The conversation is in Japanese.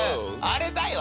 「あれだよ！